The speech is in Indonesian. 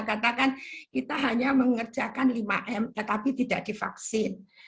katakan kita hanya mengerjakan lima m tetapi tidak divaksin